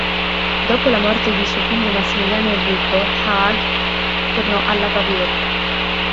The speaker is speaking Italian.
Dopo la morte di suo figlio Massimiliano Enrico, Haag tornò alla Baviera.